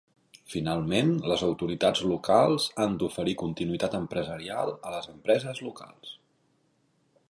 Finalment, les autoritats locals han d"oferir continuïtat empresarial a les empreses locals.